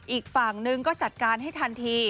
อีกฝั่งหนึ่งก็จัดการให้ทันที